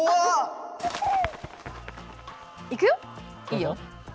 いいよ。